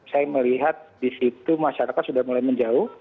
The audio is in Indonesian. saya melihat di situ masyarakat sudah mulai menjauh